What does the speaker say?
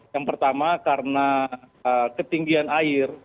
yang pertama karena ketinggian air